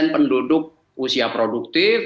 penduduk usia produktif